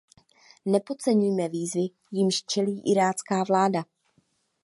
Nepodceňujeme výzvy, jimž čelí irácká vláda.